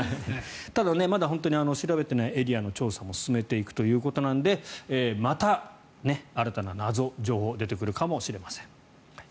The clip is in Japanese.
ただ調べてないエリアの調査も進めていくということなのでまた新たな謎、情報が出てくるかもしれません。